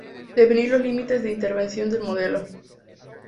Definir los límites de intervención del modelo.